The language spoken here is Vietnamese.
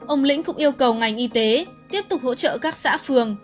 ông lĩnh cũng yêu cầu ngành y tế tiếp tục hỗ trợ các xã phường